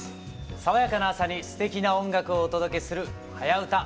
爽やかな朝にすてきな音楽をお届けする「はやウタ」